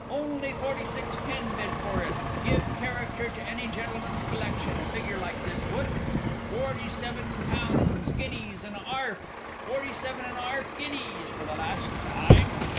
Only forty six ten bid for it. Give character to any gentleman's collection, a figure like this would. Forty seven pounds guineas! and a 'arf.... Forty seven and a 'arf guineas.... For the last time!